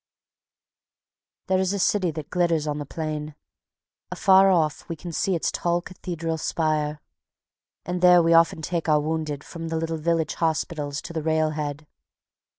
There is a city that glitters on the plain. Afar off we can see its tall cathedral spire, and there we often take our wounded from the little village hospitals to the rail head.